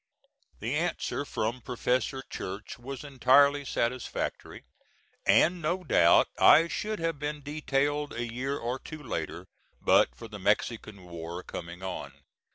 The answer from Professor Church was entirely satisfactory, and no doubt I should have been detailed a year or two later but for the Mexican War coming on.